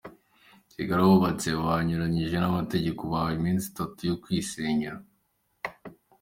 Kigali Abubatse banyuranyije n’amategeko bahawe iminsi itatu yo kwisenyera